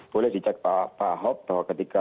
boleh dicek pak ahok bahwa ketika